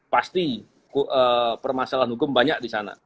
pasti permasalahan hukum banyak di sana